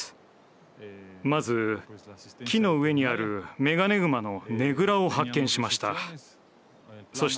まず木の上にあるメガネグマのねぐらを発見しました。